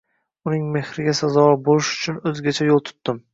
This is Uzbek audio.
Uning mehriga sazovor bo`lish uchun o`zgacha yo`l tutdim